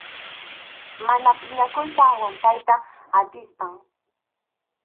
Mana phiñakuyta aguantayta atispam.